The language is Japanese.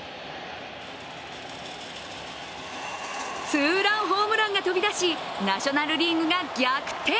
ツーランホームランが飛び出し、ナショナル・リーグが逆転。